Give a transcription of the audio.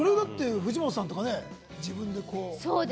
藤本さんとか、自分でね。